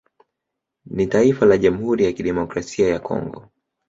Ni taifa la Jamhuri ya Kidemokrasia ya Congo